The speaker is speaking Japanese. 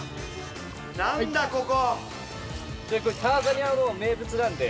◆何だ、ここ。